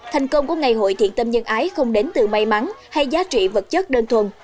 thành công của ngày hội thiện tâm nhân ái không đến từ may mắn hay giá trị vật chất đơn thuần